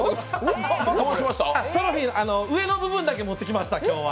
トロフィーの上の部分だけ持ってきました！